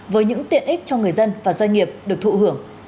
với những tiện ích cho người dân và doanh nghiệp được thụ hưởng